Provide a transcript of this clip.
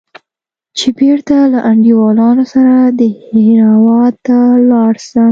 چې بېرته له انډيوالانو سره دهراوت ته ولاړ سم.